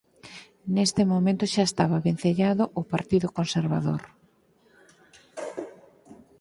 Neste momento xa estaba vencellado ao Partido Conservador.